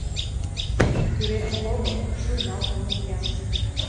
Тӱредме огыл, шуйналтын кия.